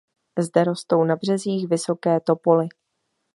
Zde rostou na březích vysoké topoly.